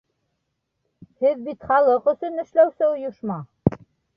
Һеҙ бит халыҡ өсөн эшләүсе ойошма!